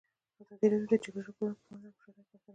ازادي راډیو د د جګړې راپورونه پرمختګ او شاتګ پرتله کړی.